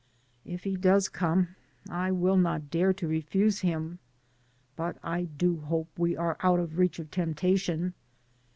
If he does come I will not dare to refuse him, but I do hope we are out of reach of temptation.